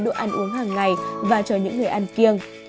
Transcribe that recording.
cà chua chứa ăn uống hàng ngày và cho những người ăn kiêng